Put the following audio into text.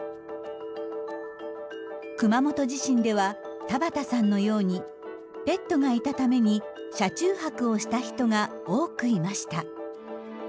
熊本地震では田畑さんのようにペットがいたために車中泊をした人が多くいました。